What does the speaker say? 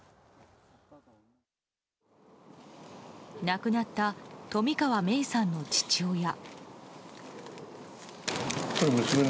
亡くなった冨川芽生さんの父親。